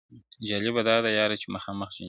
جالبه دا ده یار چي مخامخ جنجال ته ګورم.